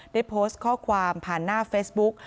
ได้โพสต์ข้อความผ่านหน้าเฟซบุ๊ก